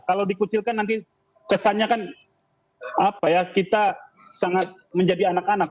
kalau dikucilkan nanti kesannya kan kita sangat menjadi anak anak